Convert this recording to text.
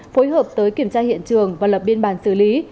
phối hợp tới kiểm tra hiện trường và lập biên bản xử lý